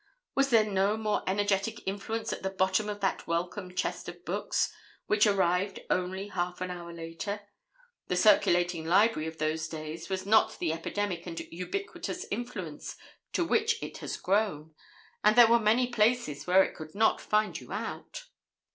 Was there no more energetic influence at the bottom of that welcome chest of books, which arrived only half an hour later? The circulating library of those days was not the epidemic and ubiquitous influence to which it has grown; and there were many places where it could not find you out.